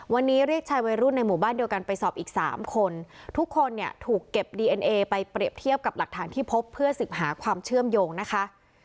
วันนี้เรียกชายวัยรุ่นในหมู่บ้านเดียวกันไปสอบอีกสามคนทุกคนเนี่ยถูกเก็บดีเอ็นเอไปเปรียบเทียบกับหลักฐานที่พบเพื่อสืบหาความเชื่อมโยงนะคะ